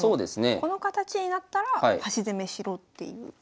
この形になったら端攻めしろっていう感じで。